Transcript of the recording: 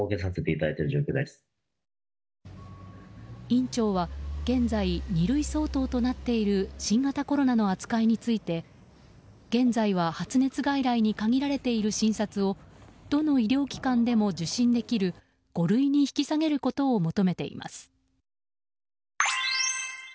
院長は現在二類相当となっている新型コロナの扱いについて現在は発熱外来に限られている診察をどの医療機関でも受診できる五類に引き下げることを求めています。